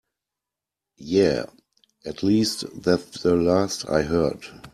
Yeah, at least that's the last I heard.